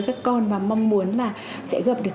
các con và mong muốn là sẽ gặp được